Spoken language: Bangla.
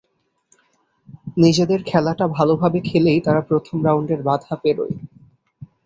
নিজেদের খেলাটা ভালোভাবে খেলেই তারা প্রথম রাউন্ডের বাধা পেরোয়।